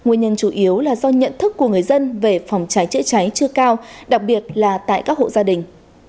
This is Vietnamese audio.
nguyên nhân chủ yếu là do nhận thức của người dân về phòng cháy chữa cháy chưa cao đặc biệt là tại các hộ gia đình